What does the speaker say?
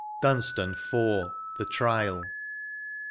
DUNSTAN. — IV. THE TRIAL.